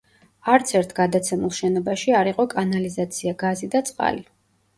არცერთ გადაცემულ შენობაში არ იყო კანალიზაცია, გაზი და წყალი.